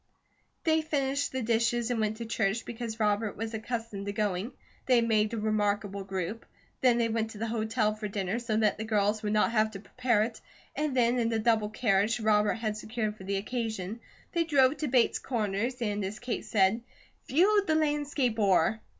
They finished the dishes and went to church, because Robert was accustomed to going. They made a remarkable group. Then they went to the hotel for dinner, so that the girls would not have to prepare it, and then in a double carriage Robert had secured for the occasion, they drove to Bates Corners and as Kate said, "Viewed the landscape o'er."